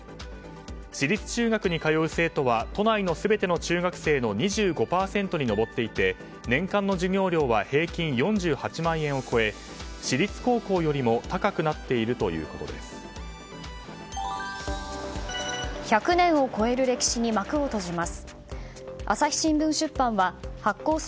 私立中学に通う生徒は都内の全ての中学生の２５％に上っていて年間の授業料は平均４８万円を超え私立高校よりも高くなっているということです。